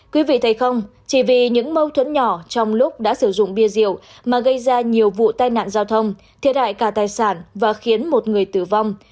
quý vị thấy không chỉ vì những mâu thuẫn nhỏ trong lúc đã sử dụng bia rượu mà gây ra nhiều vụ tai nạn giao thông thiệt hại cả tài sản và khiến một người tử vong